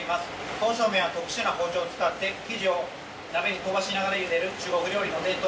刀削麺は特殊な包丁を使って生地を鍋に飛ばしながら入れる中国料理の伝統的な技術です